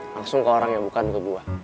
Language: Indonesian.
langsung ke orang yang bukan ke buah